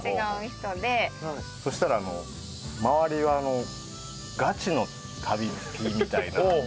そしたらあの周りはガチの旅好きみたいな。